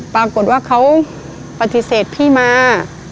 ปรากฏว่าเขาปฏิเสธพี่มา